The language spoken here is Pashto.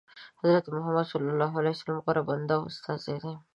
حضرت محمد صلی الله علیه وسلم غوره بنده او استازی دی.